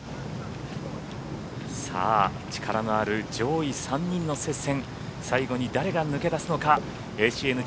力のある上位３人の接戦。